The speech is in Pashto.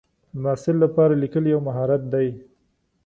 د محصل لپاره لیکل یو مهم مهارت دی.